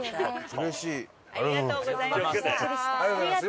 ありがとうございます。